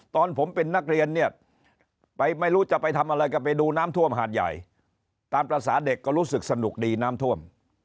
ตอนผมเป็นนักเรียนเนี่ยไปไม่รู้จะไปทำอะไรก็ไปดูน้ำท่วมหาดใหญ่ตามภาษาเด็กก็รู้สึกสนุกดีน้ำท่วม